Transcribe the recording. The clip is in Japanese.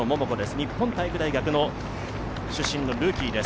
日本体育大出身のルーキーです。